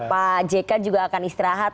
pajeka juga akan istirahat